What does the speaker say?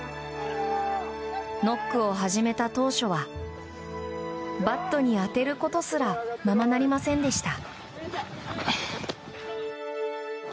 ノックを始めた当初はバットに当てることすらままなりませんでした。